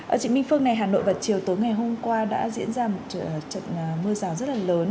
ở trịnh minh phương này hà nội vào chiều tối ngày hôm qua đã diễn ra một trận mưa rào rất là lớn